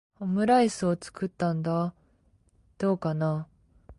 オムライスを作ったんだ、どうかな？